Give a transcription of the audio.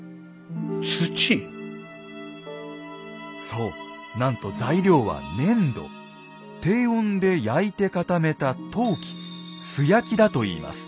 そうなんと材料は低温で焼いて固めた陶器素焼きだといいます。